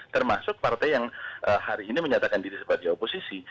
termasuk partai yang hari ini menyatakan diri sebagai oposisi